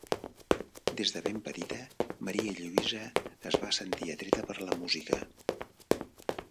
Des de ben petita Maria Lluïsa es va sentir atreta per la música.